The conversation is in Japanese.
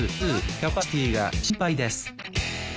キャパシティーが心配です